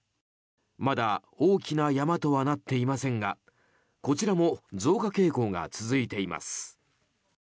まだ大きなヤマとはなっていませんがこちらも増加傾向が続いています。